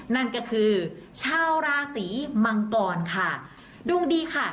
นั่นก็คือชาวราศีมังกรค่ะดวงดีค่ะ